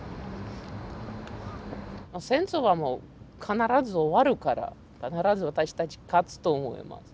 戦争はもう必ず終わるから必ず私たち勝つと思います。